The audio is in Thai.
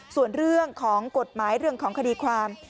ส่วนเรื่องของกฎหมายเรื่องของคดีความ